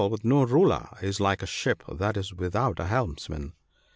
with no ruler is like a ship that is without a helmsman.